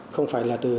không phải là từ